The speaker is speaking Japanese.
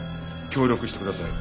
協力してください。